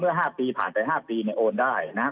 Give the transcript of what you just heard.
เมื่อ๕ปีผ่านไป๕ปีโอนได้นะฮะ